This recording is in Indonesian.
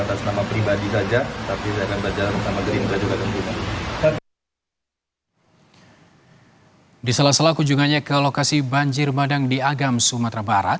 anak anak saya masih kecil belum bisa masuk gerindra